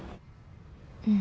うん。